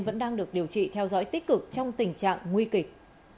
vẫn đang được điều trị theo dõi tích cực trong tình trạng nguy kịch